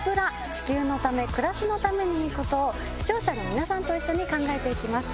地球のため、暮らしのためにいいことを、視聴者の皆さんと一緒に考えていきます。